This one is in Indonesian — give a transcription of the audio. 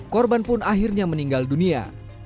korban pun akhirnya meninggal dunia